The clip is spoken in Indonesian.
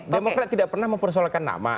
demokrat tidak pernah mempersoalkan nama